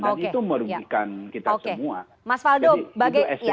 dan itu merugikan kita semua